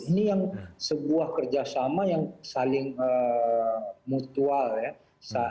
ini yang sebuah kerjasama yang saling mutual ya